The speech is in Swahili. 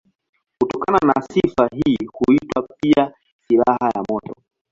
Kutokana na sifa hii huitwa pia silaha ya moto.